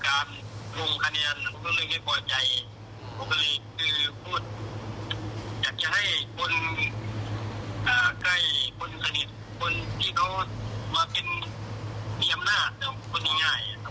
คนของเขาไม่ได้ไม่ได้ผ่านการลงคะเงิน